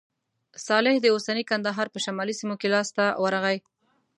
صالح د اوسني کندهار په شمالي سیمو کې لاسته ورغی.